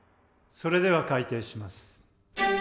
それでは開廷します。